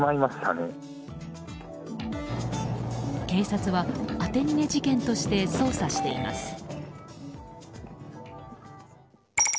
警察は当て逃げ事件として捜査しています。